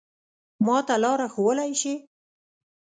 ما ته لاره ښوولای شې؟